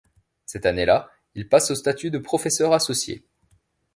Cette année-là, il passe au statut de professeur associé.